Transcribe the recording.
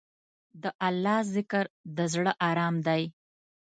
د الله ذکر، د زړه ارام دی.